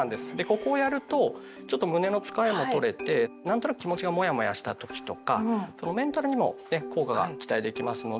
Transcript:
ここをやるとちょっと胸のつかえも取れて何となく気持ちがモヤモヤした時とかそのメンタルにもね効果が期待できますので。